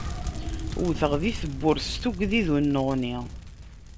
Wwteɣ di tewwurt s tuggdi d uneɣni.